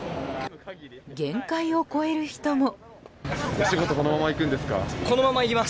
限界を超える人も。